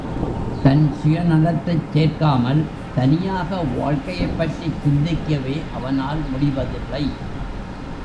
தன் சுயநலத்தைச் சேர்க்காமல் தனியாக வாழ்க்கையைப் பற்றிச் சிந்திக்கவே அவனால் முடிவதில்லை.